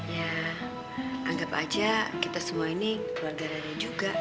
ya anggap aja kita semua ini keluarga dari juga